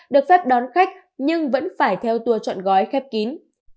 được phép đón khách nhưng vẫn phải theo tour chọn gói khép kín